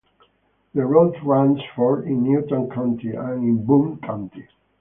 The route runs for in Newton County and in Boone County.